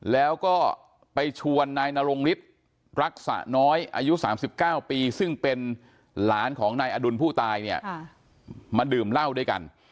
แล้วก็ไปชวนนายนรงฤทธิ์รักษะน้อยอายุ๓๙ปีซึ่งเป็นหลานของนายอดุลผู้ตายเนี่ยมาดื่มเหล้าด้วยกัน